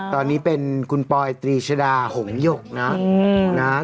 ตอนนี้เป็นคุณปอยตรีชดาหงหยกนะ